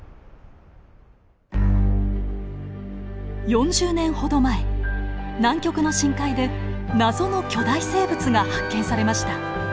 ４０年ほど前南極の深海で謎の巨大生物が発見されました。